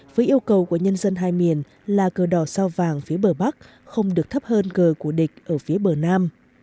với yêu cầu của nhân dân hai miền là cờ đỏ sao vàng phía bờ bắc không được thấp hơn cờ của địch ở phía bờ nam